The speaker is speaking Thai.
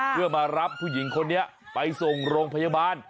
เพื่อมารับผู้หญิงคนนี้ไปส่งโรงพยาบาล